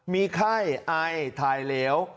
มีไข้อ้ายทายเหลว